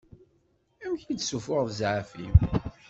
Amek i d-ssufuɣeḍ zɛaf-im?